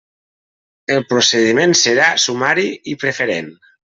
El procediment serà sumari i preferent.